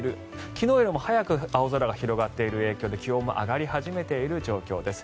昨日よりも早く青空が広がっている影響で気温も上がり始めている状況です。